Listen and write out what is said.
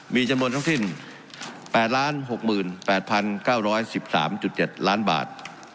มีจำนวนทั้งสิ้น๘๖๘๙๑๓๗ล้านบาท